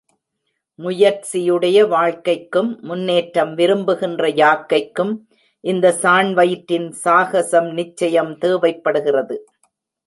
முயற்சியுடைய வாழ்க்கைக்கும், முன்னேற்றம் விரும்புகின்ற யாக்கைக்கும், இந்த சாண் வயிற்றின் சாகசம் நிச்சயம் தேவைப்படுகிறது.